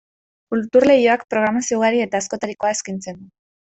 Kultur Leioak programazio ugari eta askotarikoa eskaintzen du.